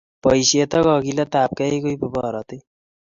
Boisiet ak kagiletapkei ko ibu borotet